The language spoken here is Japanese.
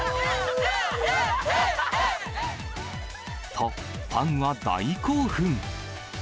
と、ファンは大興奮。